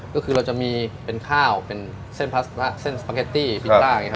ก็คือเราจะมีเป็นข้าวเป็นเส้นสปาเกตตี้ฟิลต้า